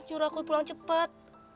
nyuruh aku pulang cepat